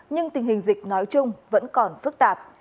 nhưng tình hình dịch nói chung vẫn còn phức tạp